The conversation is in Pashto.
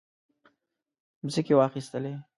مځکې واخیستلې.